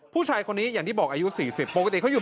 ผู้ชายคนนี้อย่างที่บอกอายุ๔๐ปกติเขามีบ้านอีกหลังหนึ่ง